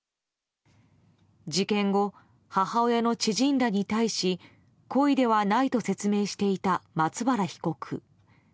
事件後、母親の知人らに対し故意ではないと説明していた松原被告。